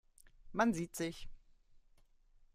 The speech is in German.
Man sieht sich.